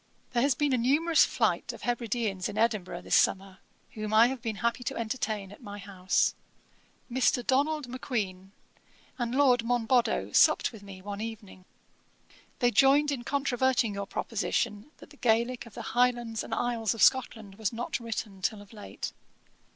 'There has been a numerous flight of Hebrideans in Edinburgh this summer, whom I have been happy to entertain at my house. Mr. Donald Macqueen and Lord Monboddo supped with me one evening. They joined in controverting your proposition, that the Gaelick of the Highlands and Isles of Scotland was not written till of late.'